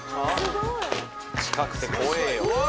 近くて怖えよ。